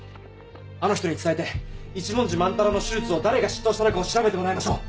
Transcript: あの人に伝えて一文字萬太郎の手術を誰が執刀したのかを調べてもらいましょう。